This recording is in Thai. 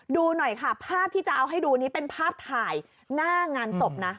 ดูหน่อยค่ะภาพที่จะเอาให้ดูนี้เป็นภาพถ่ายหน้างานศพนะ